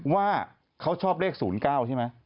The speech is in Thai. ว่าเขาชอบเลข๐๙ใช่ไหม